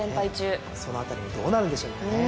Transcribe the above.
そのあたりもどうなるんでしょうね？